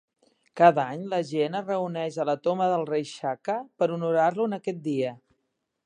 Cada any la gent es reuneix a la tomba del rei Shaka per honorar-lo en aquest dia.